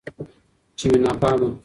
چي مي ناپامه